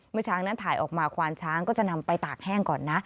เมื่อช้างนั้นถ่ายออกมาควานช้างก็จะนำไปตากแห้งก่อนนะ